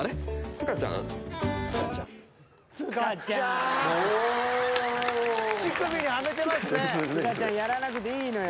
塚ちゃんやらなくていいのよ。